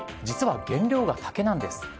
実は、原料が竹なんです。